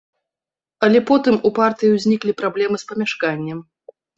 Але потым у партыі ўзніклі праблемы з памяшканнем.